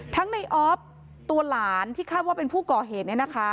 ในออฟตัวหลานที่คาดว่าเป็นผู้ก่อเหตุ